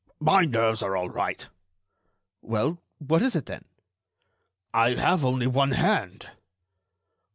"My nerves are all right." "Well, what is it, then?" "I have only one hand."